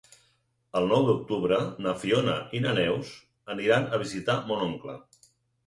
El nou d'octubre na Fiona i na Neus aniran a visitar mon oncle.